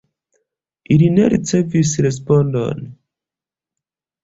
Li ne ricevis respondon.